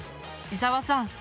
伊沢さん